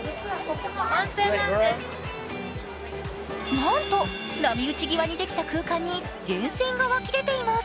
なんと波打ち際にできた空間に源泉が湧き出ています。